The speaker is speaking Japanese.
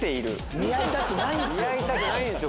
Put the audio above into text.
似合いたくないんですよ。